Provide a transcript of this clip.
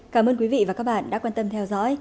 cảm ơn quý vị và các bạn đã theo dõi